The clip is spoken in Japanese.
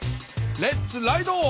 レッツライド！